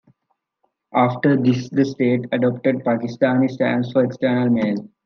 After this the state adopted Pakistani stamps for external mail.